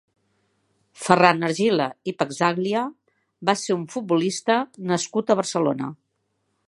Ferran Argila i Pazzaglia va ser un futbolista nascut a Barcelona.